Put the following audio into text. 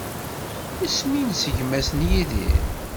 Isem-nnes gma-s n Yidir?